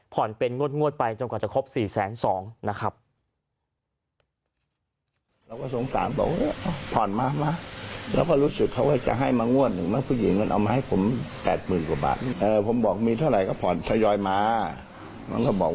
ผ่อนเป็นงวดไปจนกว่าจะครบ๔แสน๒นะครับ